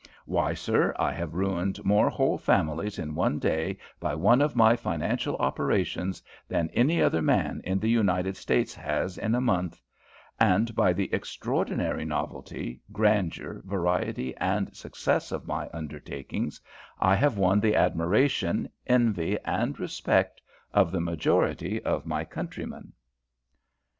Why, sir, I have ruined more whole families in one day by one of my financial operations, than any other man in the United States has in a month; and by the extraordinary novelty, grandeur, variety, and success of my undertakings, I have won the admiration, envy, and respect of the majority of my countrymen."